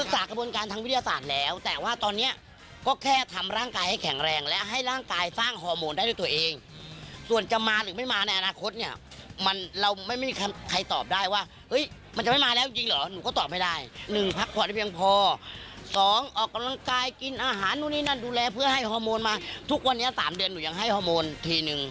ทุกวันนี้๓เดือนหนุ่ยังให้ฮอร์โมนทีนึง